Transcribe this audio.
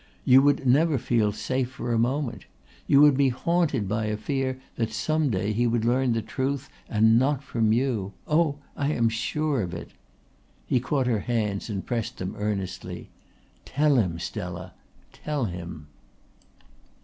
You would never feel safe for a moment. You would be haunted by a fear that some day he would learn the truth and not from you. Oh, I am sure of it." He caught her hands and pressed them earnestly. "Tell him, Stella, tell him!"